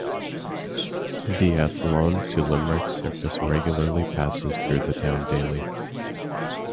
The Athlone to Limerick service regularly passes through the town daily.